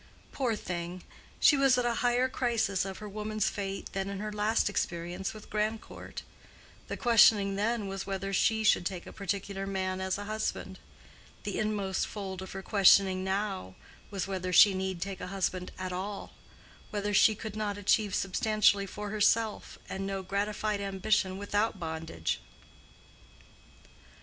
Poor thing! she was at a higher crisis of her woman's fate than in her last experience with Grandcourt. The questioning then, was whether she should take a particular man as a husband. The inmost fold of her questioning now was whether she need take a husband at all—whether she could not achieve substantially for herself and know gratified ambition without bondage.